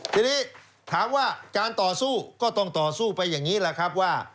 ทีนี้ถามว่าการต่อสู้ก็ต้องต่อสู้ไปอย่างนี้แหละครับว่า